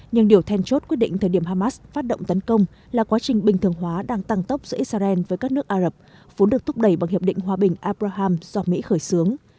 nhưng điều then chốt quyết định thời điểm hamas phát động tấn công là quá trình bình thường hóa đang tăng tốc giữa israel với các nước ả rập vốn được thúc đẩy bằng hiệp định hòa bình apraham do mỹ khởi xướng